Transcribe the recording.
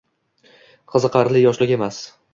Qiziqarli yoshlik emas